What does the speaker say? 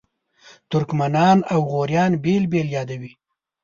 ترکمنان او غوریان بېل بېل یادوي.